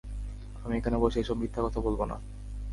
আমি এখানে বসে এসব মিথ্যা কথা বলবো না।